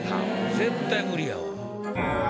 絶対無理やわ。